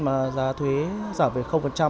mà giá thuế giảm về